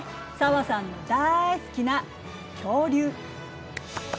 紗和さんのだい好きな恐竜。